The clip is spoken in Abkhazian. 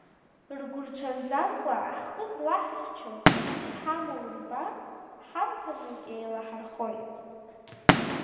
Ргәы рҽанӡамкәа, ҳхы злаҳахьчо шҳамоу рбар, ҳамҭанык еилаҳархоит.